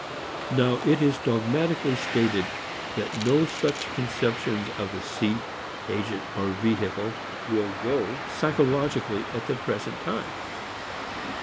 Now it is dogmatically stated that no such conceptions of the seat, agent or vehicle will go psychologically at the present time.